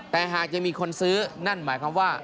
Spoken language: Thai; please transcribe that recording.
แต่หากจะมีคนซื้อนั่นหมายความว่า